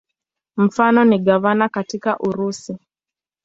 Mfano ni gavana katika Urusi.